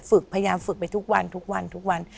พยายามฝึกไปทุกวันทุกวันทุกวัน